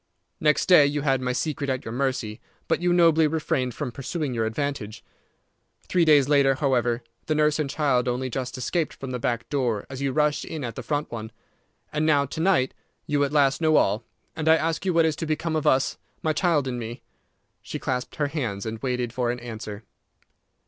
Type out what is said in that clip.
Next day you had my secret at your mercy, but you nobly refrained from pursuing your advantage. Three days later, however, the nurse and child only just escaped from the back door as you rushed in at the front one. And now to night you at last know all, and I ask you what is to become of us, my child and me?" She clasped her hands and waited for an answer.